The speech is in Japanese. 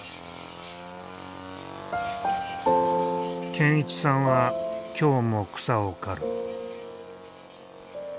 健一さんは今日も草を刈る。